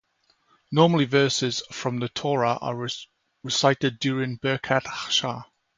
Normally, verses from the Torah are recited during Birkat HaShachar.